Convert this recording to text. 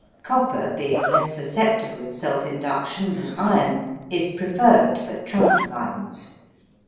Copper being less susceptible of self induction than iron, is preferred for trunk lines.